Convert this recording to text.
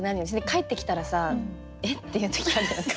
帰ってきたらさ「えっ」っていう時あるよね。